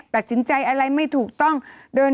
มันติดคุกออกไปออกมาได้สองเดือน